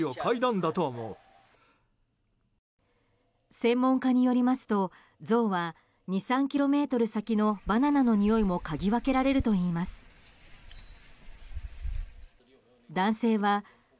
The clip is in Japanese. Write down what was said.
専門家によりますとゾウは２３ｋｍ先のバナナのにおいもかぎ分けられるといいます。